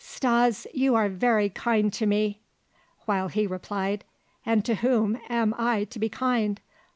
"Stas, you are very kind to me." While he replied: "And to whom am I to be kind?